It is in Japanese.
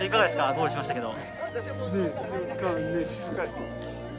ゴールしましたけど。